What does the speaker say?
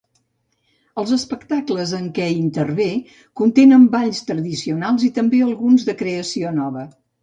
Els espectacles en què intervé contenen balls tradicionals i també alguns de creació nova.